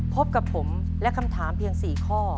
พบกับผมและคำถามเพียง๔ข้อ